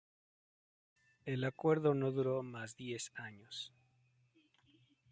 El acuerdo no duró más diez años.